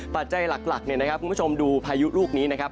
ปัจจัยหลักเนี่ยนะครับคุณผู้ชมดูพายุลูกนี้นะครับ